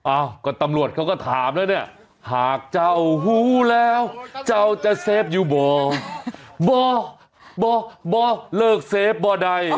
อ้าวก็ตำรวจเขาก็ถามแล้วเนี่ยหากจะอาโหแล้วเจ้าจะเซฟอยู่ไหมบอกบอกบอกเลิกเซฟบอกได้